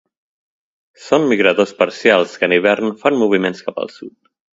Són migradors parcials que en hivern fan moviments cap al sud.